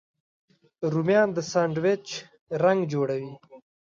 رومیان د ساندویچ رنګ جوړوي